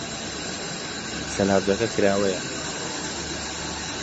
سەلاجەکە کراوەیە.